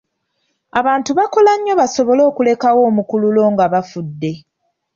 Abantu bakola nnyo basobole okulekawo omukululo nga bafudde.